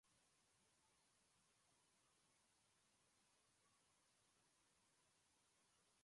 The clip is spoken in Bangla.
বিপ্রদাসের বাপ মুকুন্দলালও ধাবমান নতুন যুগকে ধরতে পারেন নি।